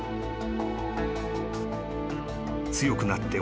［強くなって］